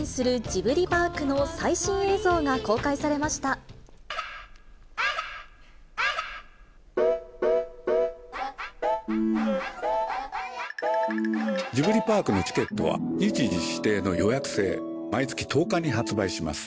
ジブリパークのチケットは日時指定の予約制、毎月１０日に発売します。